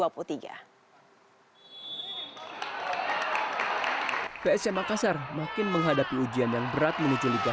psm makassar makin menghadapi ujian yang berat menuju liga satu